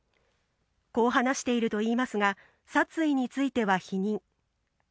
こう話しているといいますが、殺意については否認。